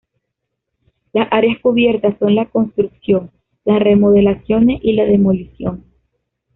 Las áreas cubiertas son la construcción, las remodelaciones y la demolición.